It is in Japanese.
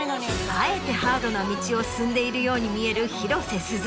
あえてハードな道を進んでいるように見える広瀬すず。